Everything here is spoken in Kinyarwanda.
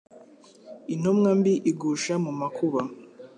Intumwa mbi igusha mu makuba